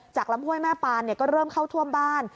ลำห้วยแม่ปานก็เริ่มเข้าท่วมบ้าน